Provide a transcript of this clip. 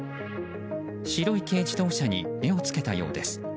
白い軽自動車に目を付けたようです。